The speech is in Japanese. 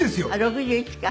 ６１か。